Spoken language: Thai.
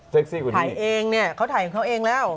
เซ็คซี่กว่านี้ถ่ายเองเนี้ยเขาถ่ายเค้าเองแล้ว